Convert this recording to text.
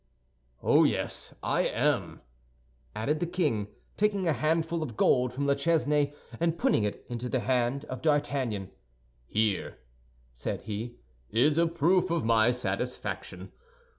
"Oh, yes; I am," added the king, taking a handful of gold from La Chesnaye, and putting it into the hand of D'Artagnan. "Here," said he, "is a proof of my satisfaction."